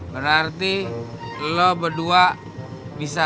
berarti lo berdua bisa